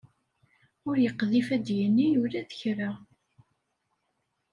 Ur yeqdif ad d-yini ula d kra.